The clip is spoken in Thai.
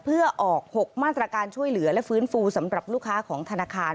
เพื่อออก๖มาตรการช่วยเหลือและฟื้นฟูสำหรับลูกค้าของธนาคาร